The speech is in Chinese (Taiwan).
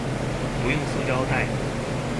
不用塑膠袋